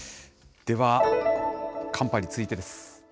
では、寒波についてです。